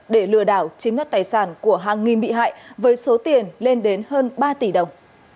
để lừa đảo chiếm đất tài sản của hàng nghìn bị hại với số tiền lên đến hơn ba tỷ đồng